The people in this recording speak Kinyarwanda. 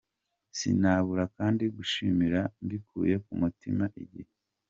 Sinabura kandi gushimira mbikuye ku mutima Igihe.